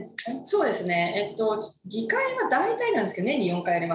そうですね。